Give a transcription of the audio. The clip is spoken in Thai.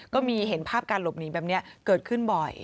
ก็มีเห็นภาพการหลบหนีแบบนี้เกิดขึ้นบ่อย